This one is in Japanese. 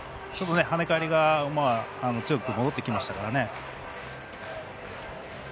跳ね返りが強くて戻ってきましたから。